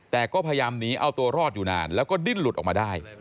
แต่ก็พยายามหนีเอาตัวรอดอยู่นานแล้วก็ดิ้นหลุดออกมาได้